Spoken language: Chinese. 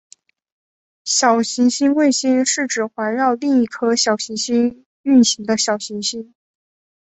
小行星卫星是指环绕另一颗小行星运行的小行星。